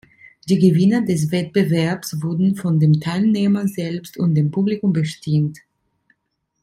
Die Gewinner des Wettbewerbs wurden von den Teilnehmern selbst und dem Publikum bestimmt.